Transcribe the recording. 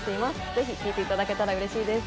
ぜひ見ていただけたらうれしいです。